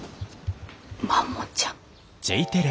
マモちゃん。